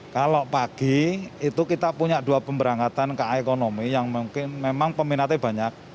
kalau pagi itu kita punya dua pemberangkatan ka ekonomi yang mungkin memang peminatnya banyak